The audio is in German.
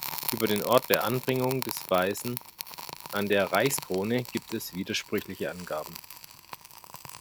Über den Ort der Anbringung des Waisen an der Reichskrone gibt es widersprüchliche Angaben.